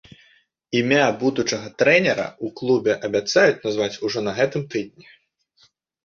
Імя будучага трэнера ў клубе абяцаюць назваць ужо на гэтым тыдні.